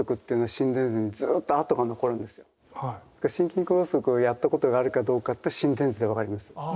ですから心筋梗塞をやったことがあるかどうかって心電図でわかります。